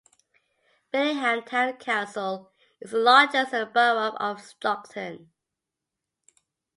Billingham Town Council is the largest in the Borough of Stockton.